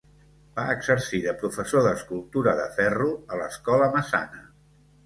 Va exercir de professor d'escultura de ferro a l'Escola Massana.